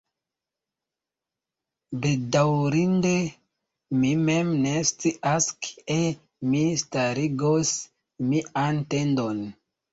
Bedaŭrinde, mi mem ne scias, kie mi starigos mian tendon.